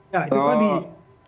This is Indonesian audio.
ya ini tadi